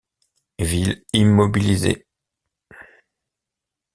Ville immobilisée.